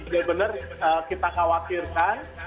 benar benar kita khawatirkan